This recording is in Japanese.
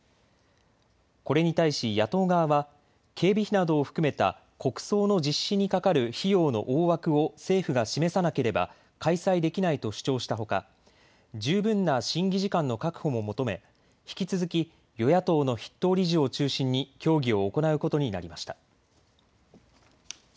これに対し野党側は警備費などを含めた国葬の実施にかかる費用の大枠を政府が示さなければ開催できないと主張したほか、十分な審議時間の確保も求め引き続き与野党の筆頭理事を中心に協議を行うことになりました。